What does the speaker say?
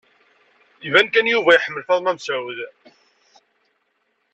Iban kan Yuba iḥemmel Faḍma Mesɛud.